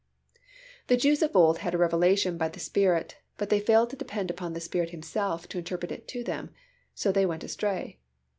The Jews of old had a revelation by the Spirit but they failed to depend upon the Spirit Himself to interpret it to them, so they went astray.